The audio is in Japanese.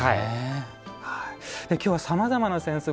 きょうはさまざまな扇子